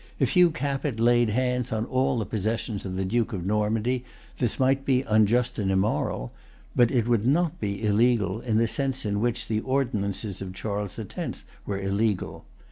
If Hugh Capet laid hands on all the possessions of the Duke of Normandy, this might be unjust and immoral; but it would not be illegal, in the sense in which the ordinances of Charles the Tenth were illegal.